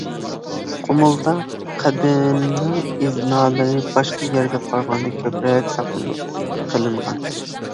قۇمۇلدا قەدىمنىڭ ئىزنالىرى باشقا يەرگە قارىغاندا كۆپرەك ساقلىنىپ قېلىنغان.